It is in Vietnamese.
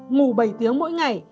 ngủ bảy tiếng mỗi ngày